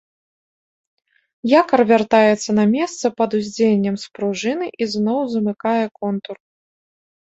Якар вяртаецца на месца пад уздзеяннем спружыны і зноў замыкае контур.